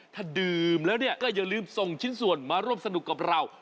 ถ้าดื่มแล้วเนี่ยก็อย่าลืมส่งชิ้นส่วนมาร่วมสนุกกับเรา